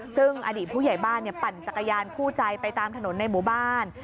ซึ่งอดีตผู้ใหญ่บ้านปั่นจักรยานคู่ใจไปตามถนนในหมู่บ้าน